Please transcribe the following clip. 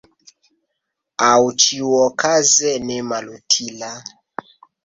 Aŭ, ĉiuokaze, nemalutila.